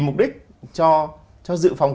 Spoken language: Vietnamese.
mục đích cho dự phòng